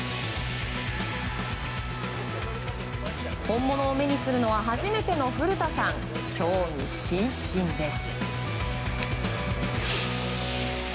本物を目にするのは初めての古田さん、興味津々です。